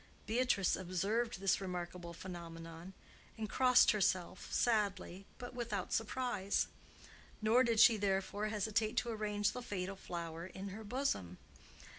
Beatrice observed this remarkable phenomenon and crossed herself, sadly, but without surprise; nor did she therefore hesitate to arrange the fatal flower in her bosom.